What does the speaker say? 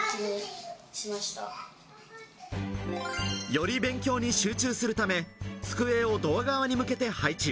より勉強に集中するため机をドア側に向けて配置。